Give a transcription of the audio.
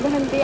udah henti a